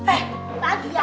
eh lagi ya